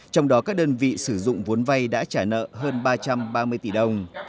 trong đó các đơn vị sử dụng vốn vay đã trả nợ hơn ba trăm ba mươi tỷ đồng